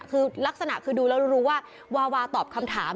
คือลักษณะคือดูแล้วรู้ว่าวาวาตอบคำถาม